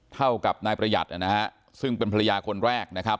เท่ากับนายประหยัดนะฮะซึ่งเป็นภรรยาคนแรกนะครับ